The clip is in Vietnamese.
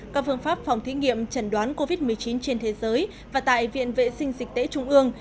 các phương pháp phòng thí nghiệm chẩn đoán covid một mươi chín trên thế giới và tại viện vệ sinh dịch tễ trung ương